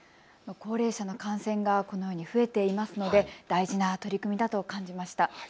高齢者の感染がこのように増えていますので大事な取り組みだと感じました。